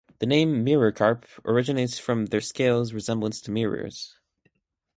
The name "mirror carp" originates from their scales' resemblance to mirrors.